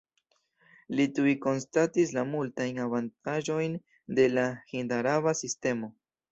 Li tuj konstatis la multajn avantaĝojn de la hind-araba sistemo.